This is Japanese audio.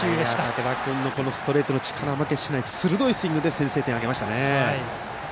竹田君のストレートに力負けしない鋭いスイングで先制点を挙げましたね。